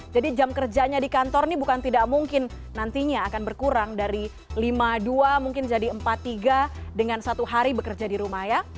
jadi jam kerjanya di kantor ini bukan tidak mungkin nantinya akan berkurang dari lima dua mungkin jadi empat tiga dengan satu hari bekerja di rumah ya